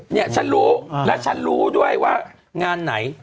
เนี่ยฉันรู้และฉันรู้ด้วยว่างานไหน